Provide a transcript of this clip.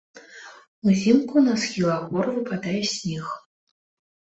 Узімку на схілах гор выпадае снег.